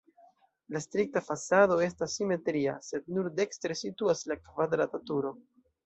La strikta fasado estas simetria, sed nur dekstre situas la kvadrata turo.